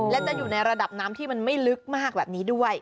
และจะอยู่ในระดับน้ำที่มันไม่ลึกมากแบบนี้ด้วย